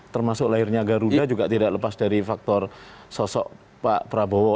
termasuk lahirnya garuda juga tidak lepas dari faktor sosok pak prabowo